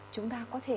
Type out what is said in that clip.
chúng ta có thể